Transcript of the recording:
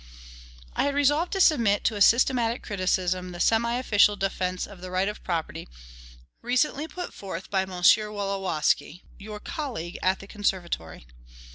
I had resolved to submit to a systematic criticism the semi official defence of the right of property recently put forth by M. Wolowski, your colleague at the Conservatory.